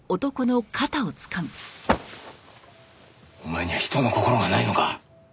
お前には人の心がないのか？